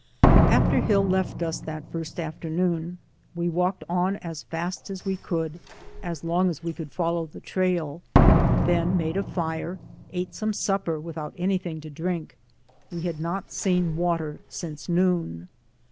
"After Hill left us that first afternoon, we walked on as fast as we could, as long as we could follow the trail. Then made a fire, ate some supper without anything to drink. We had not seen water since noon.